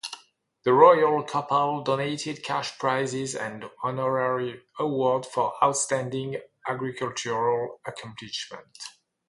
The Royal Couple donated cash prizes and honorary awards for outstanding agricultural accomplishment.